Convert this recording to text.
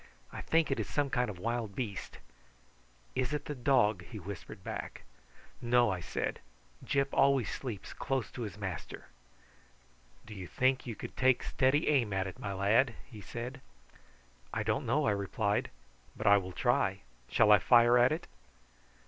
I think it is some kind of wild beast." "Is it the dog?" he whispered back. "No," I said. "Gyp always sleeps close to his master." "Do you think you could take steady aim at it, my lad?" he said. "I don't know," I replied, "but I will try. Shall I fire at it?"